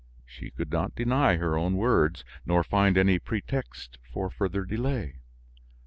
She could not deny her own words, nor find any pretext for further delay.